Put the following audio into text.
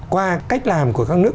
qua cách làm của các nước